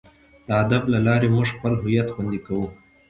د ادب له لارې موږ خپل هویت خوندي کوو.